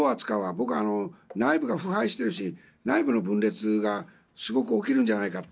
僕は内部が腐敗しているし内部の分裂がすごく起きるんじゃないかと。